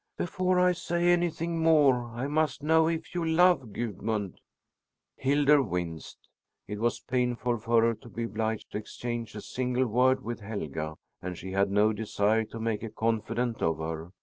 "Before I say anything more, I must know if you love Gudmund." Hildur winced. It was painful for her to be obliged to exchange a single word with Helga, and she had no desire to make a confidant of her.